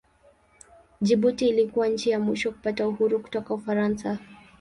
Jibuti ilikuwa nchi ya mwisho kupata uhuru kutoka Ufaransa.